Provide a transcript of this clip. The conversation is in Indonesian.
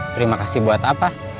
terima kasih buat apa